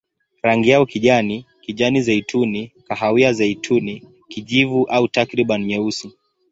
Rangi yao kijani, kijani-zeituni, kahawia-zeituni, kijivu au takriban nyeusi.